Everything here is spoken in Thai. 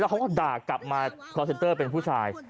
เขาก็ด่ากลับมาคอร์เซนเตอร์เป็นผู้ชาย